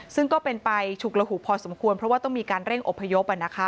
ซึ่งก็เป็นไปฉุกระหุกพอสมควรเพราะว่าต้องมีการเร่งอพยพ